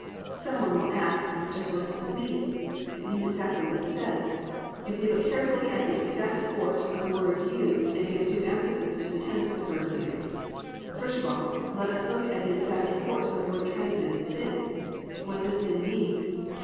_ Some one will ask, just what does this mean? It means exactly what it says, if we look carefully at the exact force of the words used and give due emphasis to the tense of the verbs used. First of all, let us look at the exact force of the word translated "Sin." What does sin mean?